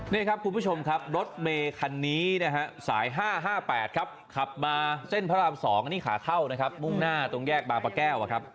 นี่ครับคุณผู้ชมครับรถเมคันนี้นะฮะสาย๕๕๘ครับขับมาเส้นพระราม๒อันนี้ขาเข้านะครับมุ่งหน้าตรงแยกบางประแก้วครับ